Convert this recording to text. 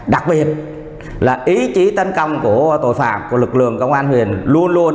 đặc biệt là ý chí tấn công của tội phạm của lực lượng công an huyện luôn luôn